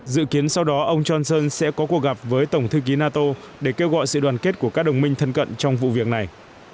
dự kiến sau đó ông johnson sẽ có cuộc gặp với tổng thư ký nato để kêu gọi sự đoàn kết của các đồng minh thân cận trong vụ việc này